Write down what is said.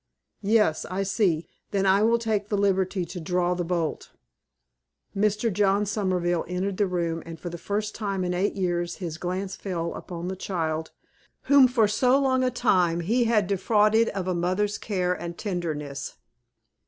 "Yes, I see. Then I will take the liberty to draw the bolt." Mr. John Somerville entered the room, and for the first time in eight years his glance fell upon the child whom, for so long a time, he had defrauded of a mother's care and tenderness.